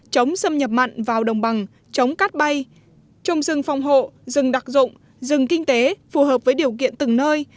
chống xâm nhập mặn vào đồng bằng chống cát bay trồng rừng phòng hộ rừng đặc dụng rừng kinh tế phù hợp với điều kiện từng nơi